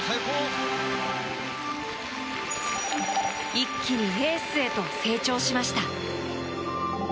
一気に、エースへと成長しました。